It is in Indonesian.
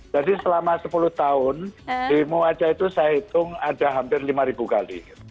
jadi selama sepuluh tahun demo aja itu saya hitung ada hampir lima ribu kali